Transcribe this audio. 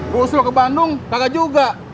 gue usul ke bandung kagak juga